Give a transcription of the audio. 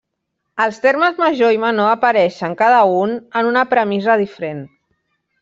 Els termes major i menor apareixen, cada un, en una premissa diferent.